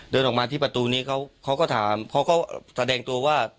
เดินออกมาที่ประตูนี้เขาก็แสดงตัวว่า